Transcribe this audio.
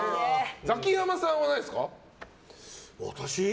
ザキヤマさんはないですか？